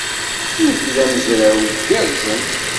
Nekk d amezraw igerrzen.